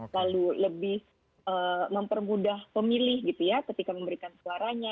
lalu lebih mempermudah pemilih gitu ya ketika memberikan suaranya